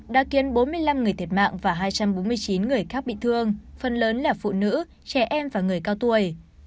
đã khiến bốn mươi năm người thiệt mạng và hai trăm bốn mươi chín người khác bị thương phần lớn là phụ nữ trẻ em và người cao tuổi